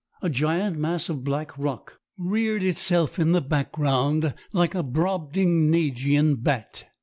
A giant mass of black rock reared itself in the background like a Brobdingnagian bat.